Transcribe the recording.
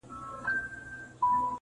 د ډوډۍ پر وخت به خپل قصر ته تلله!.